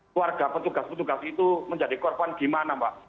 keluarga petugas petugas itu menjadi korban gimana mbak